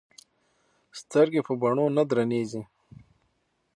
سترګې په بڼو نه درنې ايږي